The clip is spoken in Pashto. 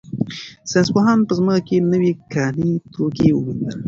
ساینس پوهانو په ځمکه کې نوي کاني توکي وموندل.